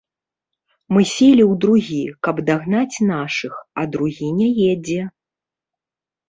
Мы селі ў другі, каб дагнаць нашых, а другі не едзе.